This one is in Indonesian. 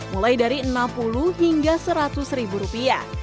mulai dari rp enam puluh hingga seratus ribu rupiah